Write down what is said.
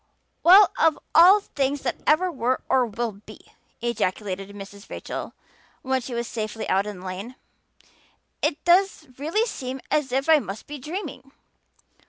"Well, of all things that ever were or will be!" ejaculated Mrs. Rachel when she was safely out in the lane. "It does really seem as if I must be dreaming.